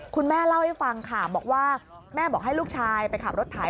คุณแม่เล่าให้ฟังค่ะบอกว่าแม่บอกให้ลูกชายไปขับรถไถ